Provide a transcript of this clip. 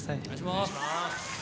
お願いします！